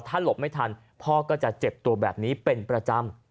ถ้าหลบไม่ทันพ่อก็จะเจ็บตัวแบบนี้เป็นประจำ